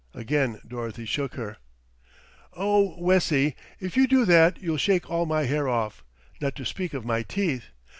Again Dorothy shook her. "Oh, Wessie, if you do that you'll shake all my hair off, not to speak of my teeth.